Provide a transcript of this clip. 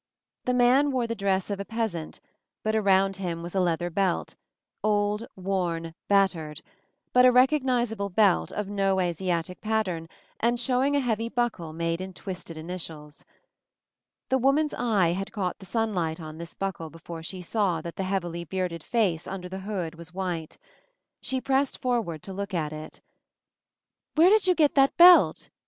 The man wore the dress of a peasant, but around him was a leather belt — old, worn, battered — but a recognizable belt of no Asiatic pattern, and showing a heavy buckle made in twisted initials. The woman's eye had caught the sunlight on this buckle before she saw that the heav ily bearded face under the hood was white. She pressed forward to look at it. "Where did you get that belt?"